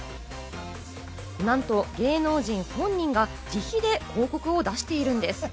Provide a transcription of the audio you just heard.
なんと芸能人本人が自費で広告を出しているんです。